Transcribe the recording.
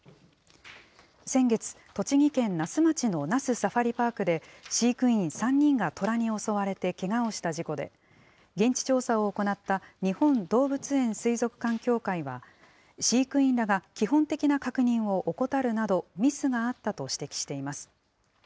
先月、栃木県那須町の那須サファリパークで飼育員３人がトラに襲われてけがをした事故で、現地調査を行った日本動物園水族館協会は、飼育員らが基本的な確認を怠るなど、ミスがあったと指摘しています。